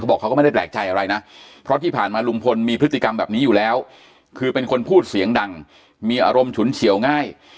เขาบอกเขาก็ไม่ได้แปลกใจอะไรนะ